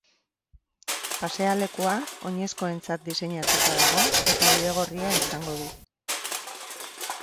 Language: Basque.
Pasealekua oinezkoentzat diseinatuta dago eta bidegorria izango du.